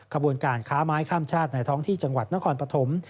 ขบวนการค้าไม้ข้ามชาติในท้องที่จังหวัดนครปฐม